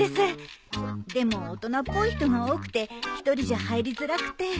でも大人っぽい人が多くて１人じゃ入りづらくて。